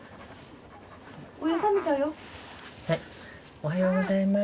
おはようございます。